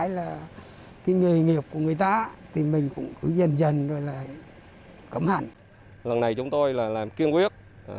lần này chúng tôi là làm kiên quyết